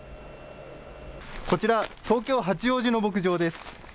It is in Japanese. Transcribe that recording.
こちら、東京・八王子の牧場です。